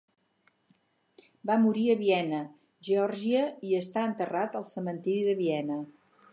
Va morir a Viena, Geòrgia i està enterrat al cementiri de Viena.